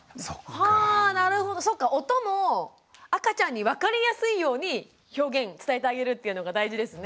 はぁなるほどそっか音も赤ちゃんに分かりやすいように表現伝えてあげるっていうのが大事ですね。